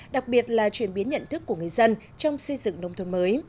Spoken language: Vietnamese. đặc biệt là chuyển biến nhận thức của người dân trong xây dựng nông thôn mới